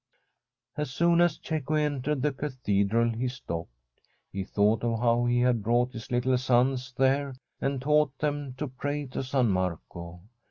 As soon as Cecco entered the cathedral he stopped. He thought of how he had brought his little sons there, and taught them to pray to San Marco.